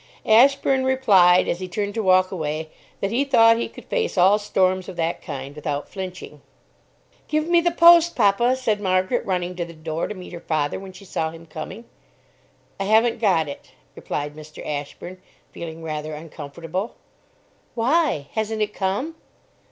Ashburn replied, as he turned to walk away, that he thought he could face all storms of that kind without flinching. "Give me the 'Post,' papa," said Margaret, running to the door to meet her father when she saw him coming. "I haven't got it," replied Mr. Ashburn, feeling rather uncomfortable. "Why? Hasn't it come?"